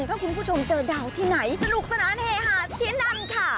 ถ้าคุณผู้ชมเจอดาวที่ไหนระจวกสระเนรฐะทีนั้นค่ะ